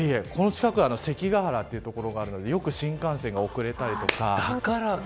この近くは関ヶ原という所があるのでよく新幹線が遅れたりとか。